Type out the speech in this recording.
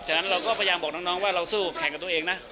ฉะนั้นเราก็พยายามบอกน้องว่าเราสู้แข่งกับตัวเองนะ